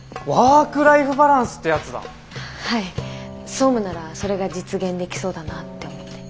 総務ならそれが実現できそうだなって思って。